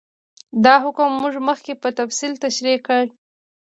دا حکم موږ مخکې په تفصیل تشرېح کړ.